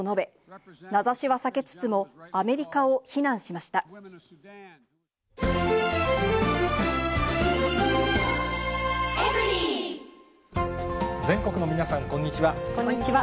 また、全国の皆さん、こんにちは。